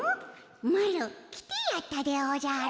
マロ、来てやったでおじゃる。